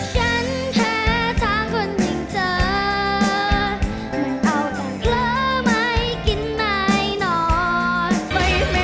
สิ่งที่กลัว